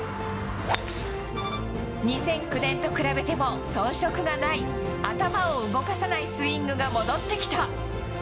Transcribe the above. ２００９年と比べても遜色がない、頭を動かさないスイングが戻ってきた。